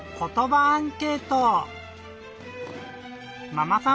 ママさん